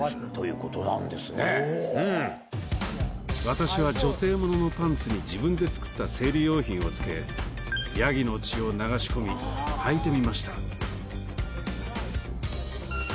私は女性もののパンツに自分で作った生理用品をつけヤギの血を流し込みはいてみました。